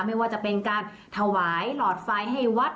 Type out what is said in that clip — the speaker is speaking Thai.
ไม่ว่าจะเป็นการถวายหลอดไฟให้วัด